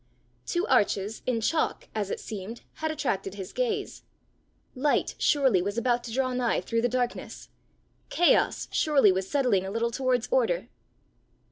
Two arches, in chalk, as it seemed, had attracted his gaze. Light surely was about to draw nigh through the darkness! Chaos surely was settling a little towards order!